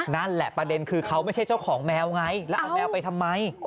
นั่นแหละประเด็นคือเขาไม่ใช่เจ้าของแมวไงแล้วเอาแมวไปทำไม